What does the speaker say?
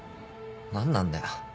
何なんだよ。